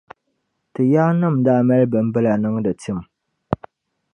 Ti yaanim daa mali bimbilla niŋdi tim.